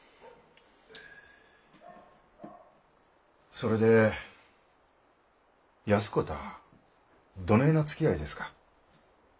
それで安子たあどねえなつきあいですか？